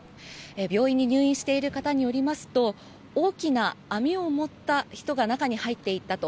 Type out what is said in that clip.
病院に入院している方によりますと大きな網を持った人が中に入っていったと。